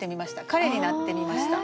彼になってみました。